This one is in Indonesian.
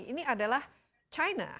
ini adalah china